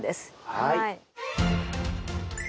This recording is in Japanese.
はい。